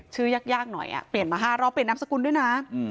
ยากหน่อยเปลี่ยนมา๕รอบเปลี่ยนนามสกุลด้วยนะ